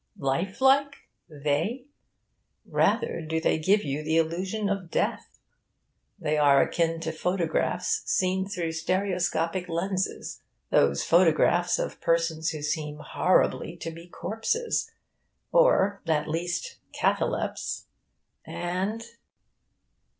Lifelike? They? Rather do they give you the illusion of death. They are akin to photographs seen through stereoscopic lenses those photographs of persons who seem horribly to be corpses, or, at least, catalepts; and...